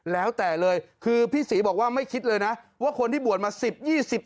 แล้วแต่เลยคือพี่ศรีบอกว่าไม่คิดเลยนะว่าคนที่บวชมา๑๐๒๐